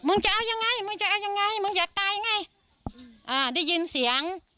จะเอายังไงมึงจะเอายังไงมึงอยากตายไงอ่าได้ยินเสียง